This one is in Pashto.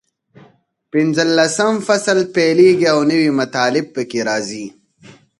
پینځلسم فصل پیلېږي او نوي مطالب پکې راځي.